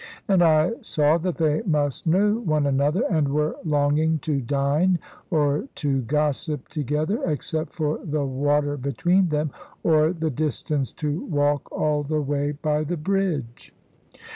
And I saw that they must know one another, and were longing to dine or to gossip together, except for the water between them, or the distance to walk all the way by the bridge.